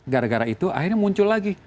gara gara itu akhirnya muncul lagi